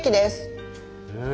へえ。